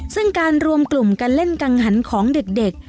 ซึ่งการรวมกลุ่มการเล่นกังหันของเด็ก